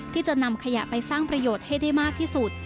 ที่จะนำขยะไปสร้างประโยชน์ให้ได้มากที่สุด